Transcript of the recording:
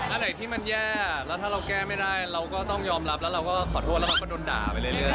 อะไรที่มันแย่แล้วถ้าเราแก้ไม่ได้เราก็ต้องยอมรับแล้วเราก็ขอโทษแล้วเราก็โดนด่าไปเรื่อย